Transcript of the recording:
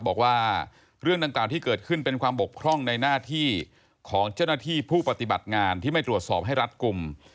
บอกว่าเรื่องดังกล่าวที่เกิดขึ้นเป็นความบกพร่องในหน้าที่ของเจ้าหน้าที่ผู้ปฏิบัติงานที่ไม่ตรวจสอบให้รัฐกลุ่ม